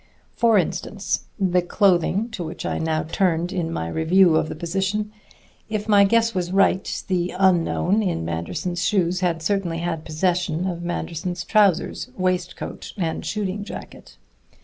For instance, the clothing, to which I now turned in my review of the position: if my guess was right, the unknown in Manderson's shoes had certainly had possession of Manderson's trousers, waistcoat and shooting jacket.